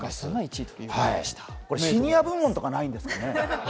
シニア部門とかないんですかね？